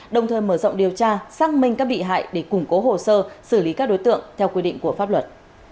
đồng thời mở rộng điều tra xác minh các bị hại để củng cố hồ sơ xử lý các đối tượng theo quy định của pháp luật